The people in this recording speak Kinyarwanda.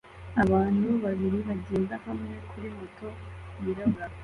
Abantu babiri bagenda hamwe kuri moto yirabura